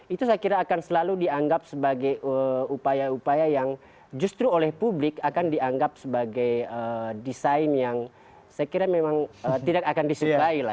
itu saya kira akan selalu dianggap sebagai upaya upaya yang justru oleh publik akan dianggap sebagai desain yang saya kira memang tidak akan disukai lah